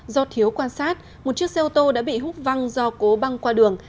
do thiếu quan sát một chiếc xe ô tô đã bị hút văng do cố băng qua đường